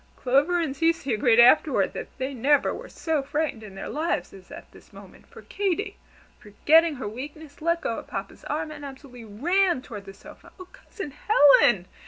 Clover and Cecy agreed afterward that they never were so frightened in their lives as at this moment; for Katy, forgetting her weakness, let go of Papa's arm, and absolutely ran toward the sofa. "Oh, Cousin Helen!